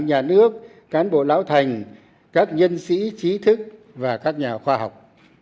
nhà nước cán bộ lão thành các nhân sĩ trí thức và các nhà khoa học